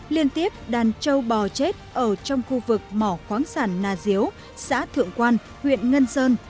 liên tiếp đàn châu bò chết ở trong khu vực mỏ khoáng sản nà diếu xã thượng quan huyện ngân sơn